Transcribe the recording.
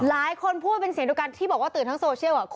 หลายคนพูดเป็นเสียงเดียวกันที่บอกว่าตื่นทั้งโซเชียล